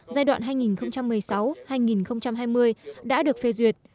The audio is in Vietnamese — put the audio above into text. giai đoạn hai nghìn một mươi sáu hai nghìn hai mươi đã được phê duyệt